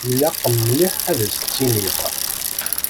Ilaq mliḥ ad as-tt-iniɣ!